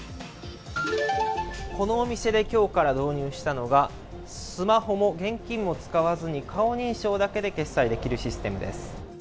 このお店で今日から導入したのは、スマホも現金も使わずに顔認証だけで決済できるシステムです。